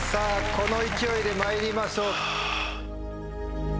この勢いでまいりましょう。